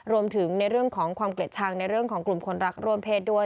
รวมถึงในเรื่องของความเกลียดชังในเรื่องของกลุ่มคนรักร่วมเพศด้วย